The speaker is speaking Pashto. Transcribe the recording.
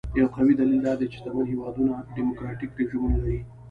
یو قوي دلیل دا دی چې شتمن هېوادونه ډیموکراټیک رژیمونه لري.